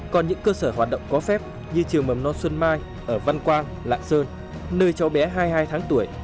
còn những cơ sở hoạt động có phép như trường mầm non xuân mai ở văn quang lạng sơn nơi cháu bé hai mươi hai tháng tuổi